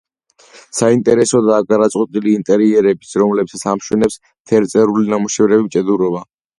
საინტერესოდაა გადაწყვეტილი ინტერიერები, რომლებსაც ამშვენებს ფერწერული ნამუშევრები, ჭედურობა.